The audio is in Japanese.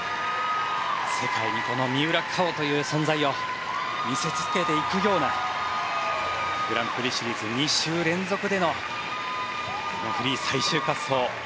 世界にこの三浦佳生という存在を見せつけていくようなグランプリシリーズ２週連続でのこのフリー、最終滑走。